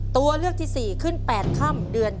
ตัวเลือกที่๔ขึ้น๘ค่ำเดือน๙